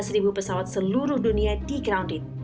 lima belas ribu pesawat seluruh dunia di grounded